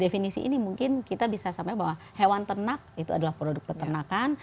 definisi ini mungkin kita bisa sampaikan bahwa hewan ternak itu adalah produk peternakan